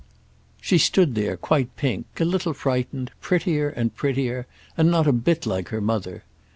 She stood there quite pink, a little frightened, prettier and prettier and not a bit like her mother.